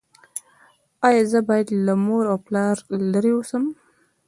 ایا زه باید له مور او پلار لرې اوسم؟